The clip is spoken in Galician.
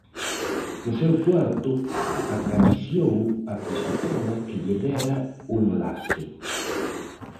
No seu cuarto acariciou a pistola que lle dera o enlace.